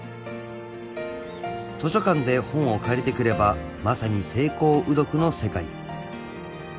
［図書館で本を借りてくればまさに晴耕雨読の世界］